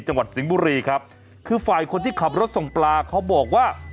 จังหวัดสิงห์บุรีครับคือฝ่ายคนที่ขับรถส่งปลาเขาบอกว่า